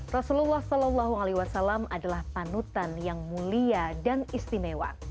rasulullah saw adalah panutan yang mulia dan istimewa